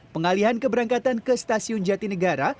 pengalihan keberangkatan ke stasiun jatinegara